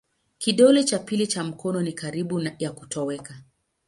Kidole cha pili cha mikono ni karibu ya kutoweka.